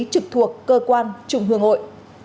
trực thuộc cơ quan trung ương hội